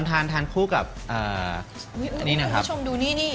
ตอนทานทานผู้กับนี่นะครับคุณผู้ชมดูนี่นี่